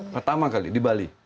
pertama kali di bali